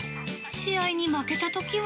試合に負けたときは。